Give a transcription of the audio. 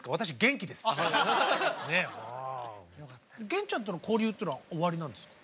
源ちゃんとの交流っていうのはおありなんですか？